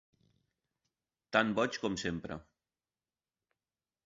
Tan boig com sempre!